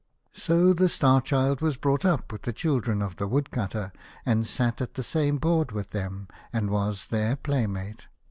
So the Star Child was brought up with the children of the Woodcutter, and sat at the same board with them, and was their play mate.